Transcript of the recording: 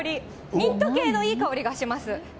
ミント系のいい香りがします。